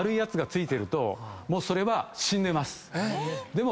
でも。